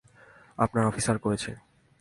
আপনার অফিসার করেছে।